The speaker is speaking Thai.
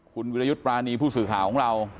คุณวิรยุทธ์ปรานีผู้สื่อข่าวของเรา